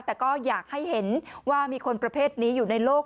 แต่ก็อยากให้เห็นว่ามีคนประเภทนี้อยู่ในโลก